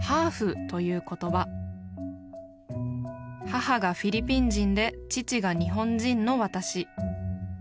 母がフィリピン人で父が日本人の私。